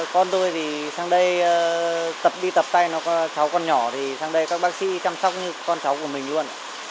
con tôi thì sang đây đi tập tay cháu con nhỏ thì sang đây các bác sĩ chăm sóc như con cháu của mình luôn